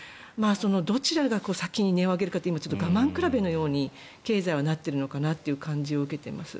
どちらが先に音を上げるかという今、我慢比べのように経済はなっているのかなという感じを受けます。